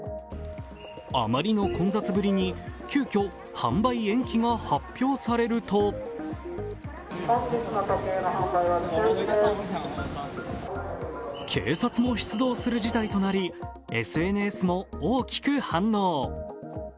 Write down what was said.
あまりの混雑ぶりに急きょ販売延期が発表されると警察も出動する事態となり、ＳＮＳも大きく反応。